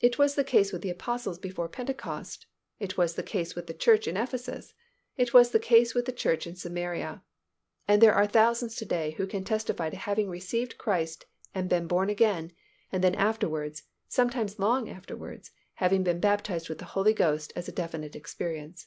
It was the case with the Apostles before Pentecost; it was the case with the church in Ephesus; it was the case with the church in Samaria. And there are thousands to day who can testify to having received Christ and been born again, and then afterwards, sometimes long afterwards, having been baptized with the Holy Ghost as a definite experience.